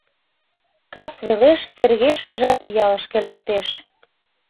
Кас велеш Сергей шкежат ялышке лектеш.